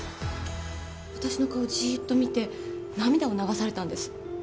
私の顔、じーっと見て涙を流されたんです。